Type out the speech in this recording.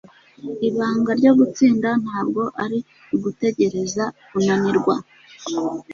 Ibanga ryo gutsinda ntabwo ari ugutekereza kunanirwa.